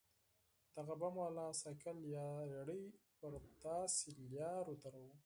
دغه بم والا بايسېکل يا رېړۍ پر داسې لارو دروو.